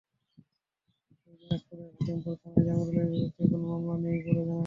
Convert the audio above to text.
তবে দিনাজপুরের হাকিমপুর থানায় জামিরুলের বিরুদ্ধে কোনো মামলা নেই বলে জানা গেছে।